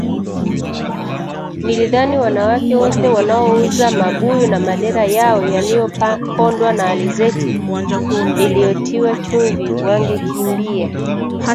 nilidhani wanawake wote wanaouza mabuyu na madera yao yaliyopondwa na alizeti iliyotiwa chumvi wangekimbia